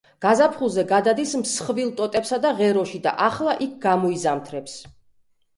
გაზაფხულზე გადადის მსხვილ ტოტებსა და ღეროში და ახლა იქ გამოიზამთრებს.